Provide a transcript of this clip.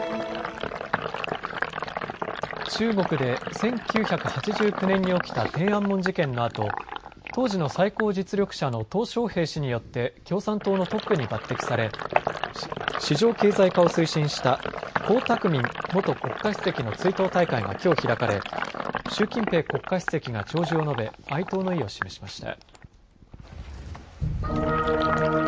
中国で１９８９年に起きた天安門事件のあと当時の最高実力者のとう小平氏によって共産党のトップに抜てきされ市場経済化を推進した江沢民元国家主席の追悼大会がきょう開かれ、習近平国家主席が弔辞を述べ哀悼の意を示しました。